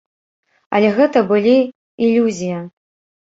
Але гэта былі ілюзія.